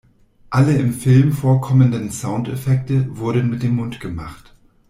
Alle im Film vorkommenden Soundeffekte wurden mit dem Mund gemacht.